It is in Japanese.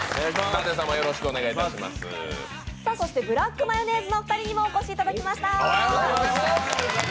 ブラックマヨネーズのお二人にもお越しいただきました。